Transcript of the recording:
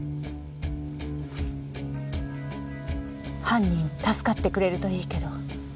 犯人助かってくれるといいけど。